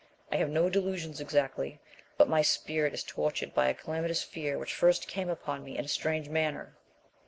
I have no delusions exactly, but my spirit is tortured by a calamitous fear which first came upon me in a strange manner."